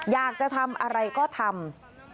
อยากจะทำอะไรก็ทำ